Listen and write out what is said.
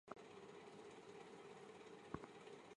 蒂廷格是德国巴伐利亚州的一个市镇。